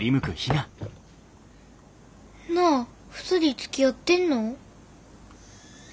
なあ２人つきあってんの？